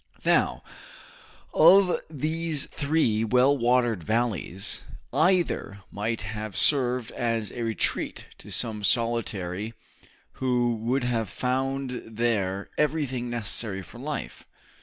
Now, of these three well watered valleys, either might have served as a retreat to some solitary who would have found there everything necessary for life.